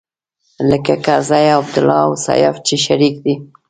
لکه کرزی او عبدالله او سياف چې شريک دی.